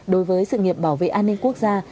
đối với sự nghiệp bảo vệ an ninh quốc gia